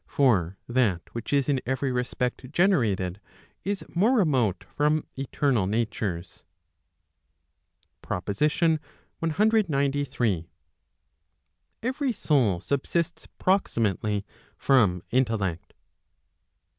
For that which is in every respect generated, is more remote from eternal natures. PROPOSITION CXCIII. Every soul subsists proximately from intellect.